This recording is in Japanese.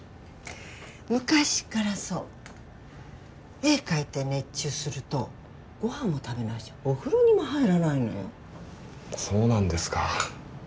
昔からそう絵描いて熱中するとご飯も食べないしお風呂にも入らないのよそうなんですか